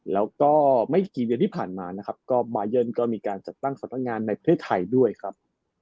แล้วก็ไม่กี่เดือนที่ผ่านมานะครับก็บายันก็มีการจัดตั้งสำนักงานในประเทศไทยด้วยครับ